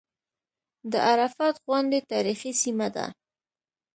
د عرفات غونډۍ تاریخي سیمه ده.